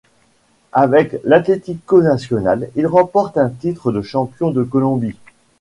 Avec l'Atlético Nacional, il remporte un titre de champion de Colombie.